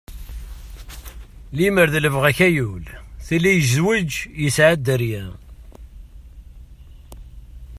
Limer d libɣi-k ayul, tili yezweǧ yesɛa dderya.